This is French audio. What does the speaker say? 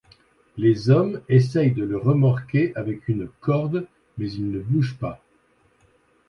Les hommes essayent de le remorquer avec une corde mais il ne bouge pas.